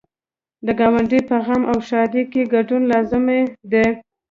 د ګاونډي په غم او ښادۍ کې ګډون لازمي دی.